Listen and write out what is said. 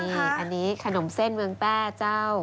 นี่อันนี้ขนมเส้นเมืองแป้เจ้า